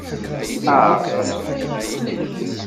Aɣ.